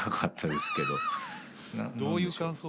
どういう感想だ。